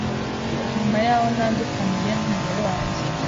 nyuma y’aho ntandukaniye n’umugore wanjye.